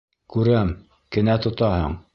Күрәм, кенә тотаһың!..